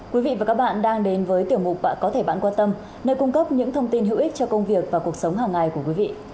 quý vị và các bạn đang đến với tiểu mục bạn có thể bạn quan tâm nơi cung cấp những thông tin hữu ích cho công việc và cuộc sống hàng ngày của quý vị